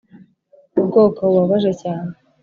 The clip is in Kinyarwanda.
ubwoko bubabaje cyane.